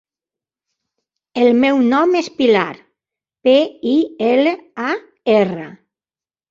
El meu nom és Pilar: pe, i, ela, a, erra.